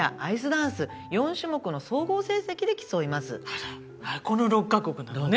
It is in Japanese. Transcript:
あらこの６カ国なのね。